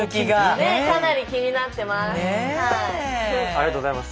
ねえかなり気になってます。